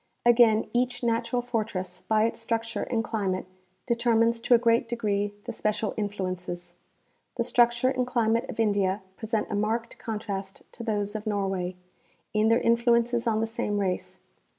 Again each natural fortress by its structure and climate deter mines to a great degree the special influences. The structure and climate of India present a marked contrast to those of Nor way, in their influences on the same race.